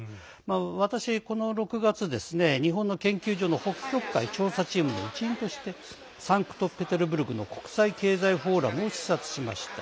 私、この６月日本の研究所の北極海調査チームの一員としてサンクトペテルブルクの国際経済フォーラムを視察しました。